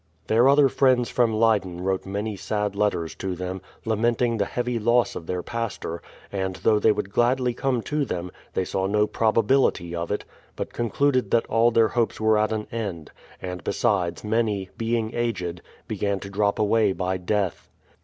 Their other friends from Leyden wrote many sad letters to them, lamenting the heavy loss of their pastor, and though they would gladly come to them, they saw no prob ability of it, but concluded that all their hopes were at an end; and besides, many, being aged, began to drop away by death.